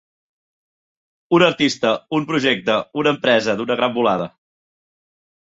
Un artista, un projecte, una empresa, d'una gran volada.